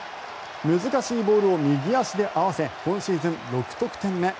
難しいボールを右足で合わせ今シーズン６得点目。